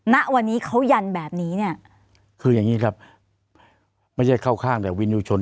ณวันนี้เขายันแบบนี้เนี่ยคืออย่างนี้ครับไม่ใช่เข้าข้างแต่วินยูชน